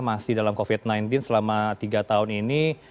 masih dalam covid sembilan belas selama tiga tahun ini